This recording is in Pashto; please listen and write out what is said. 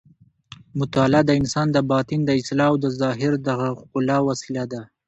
مطالعه د انسان د باطن د اصلاح او د ظاهر د ښکلا وسیله ده.